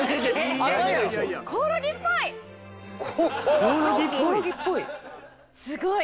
「コオロギっぽい」？